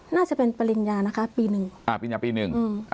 น่าจะเป็นปริญญานะคะปีหนึ่งอ่าปริญญาปีหนึ่งอืม